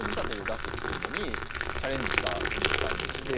出すっていうのにチャレンジしたお店さんでして。